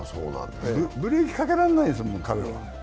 ブレーキかけられないんですもん、彼は。